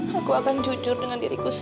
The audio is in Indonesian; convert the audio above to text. tapi kehilangan pikiranmu adalah kenapa saya